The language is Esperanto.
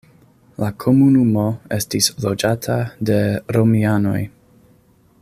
La komunumo estis loĝata de romianoj.